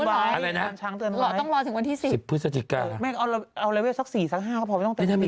พอตอนนี้อาจารย์ช้างเตือนไว้